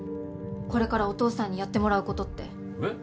これからお父さんにやってもらうことってえっ？